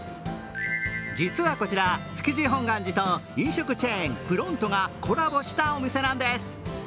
実はこちら、築地本願寺と飲食チェーン、ＰＲＯＮＴがコラボしたお店なんです。